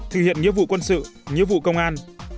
thực hiện nhiệm vụ quân sự nhiệm vụ công an